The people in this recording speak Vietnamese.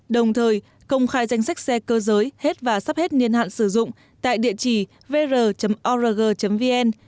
đồng thời công khai danh sách xe cơ giới hết và sắp hết niên hạn sử dụng tại địa chỉ vr org vn